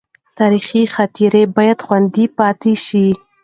تاریخي خاطرې باید خوندي پاتې شي.